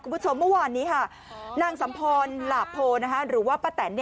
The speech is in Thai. คุณผู้ชมเมื่อวานนี้ค่ะนางสัมพรหลาโพหรือว่าป้าแตน